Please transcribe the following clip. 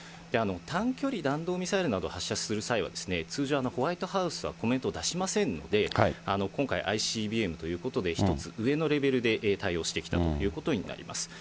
短距離弾道ミサイルなどを発射する際には、通常、ホワイトハウスはコメントを出しませんので、今回、ＩＣＢＭということで、１つ上のレベルで対応してきたということになります。